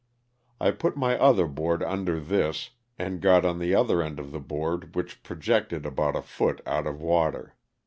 I put my other board under this and got on the other end of the board which projected about a foot out of water.